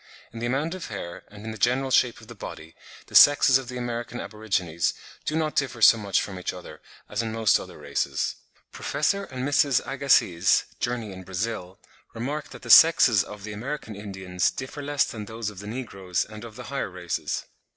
In the amount of hair, and in the general shape of the body, the sexes of the American aborigines do not differ so much from each other, as in most other races. (20. Prof. and Mrs. Agassiz ('Journey in Brazil,' p. 530) remark that the sexes of the American Indians differ less than those of the negroes and of the higher races. See also Rengger, ibid. p. 3, on the Guaranys.)